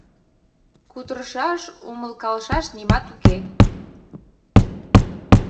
— Кутырышаш, умылкалышаш нимат уке.